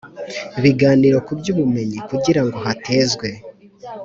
biganiro mu by ubumenyi kugira ngo hatezwe